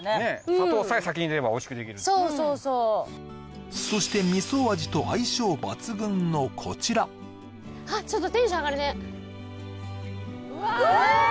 砂糖さえ先に入れればおいしくできるってそして味噌味と相性抜群のこちらはっちょっとテンション上がるねわ！